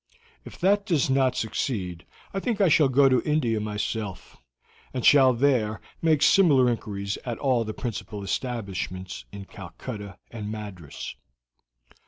If that does not succeed, I think I shall go to India myself, and shall there make similar inquiries at all the principal establishments at Calcutta and Madras.